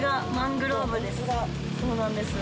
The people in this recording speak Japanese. そうなんです。